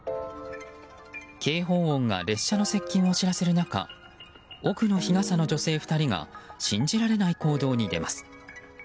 警報音が列車の接近を知らせる中奥の日傘の女性２人が信じられない行動に出ます。